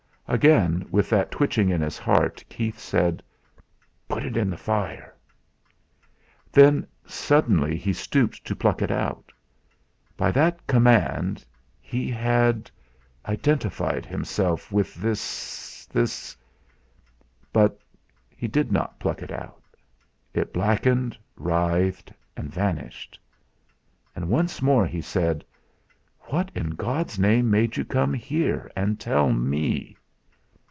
Again with that twitching in his heart, Keith said: "Put it in the fire." Then suddenly he stooped to pluck it out. By that command he had identified himself with this this But he did not pluck it out. It blackened, writhed, and vanished. And once more he said: "What in God's name made you come here and tell me?"